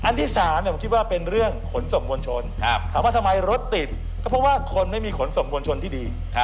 นี่แหละตัวทำรถติด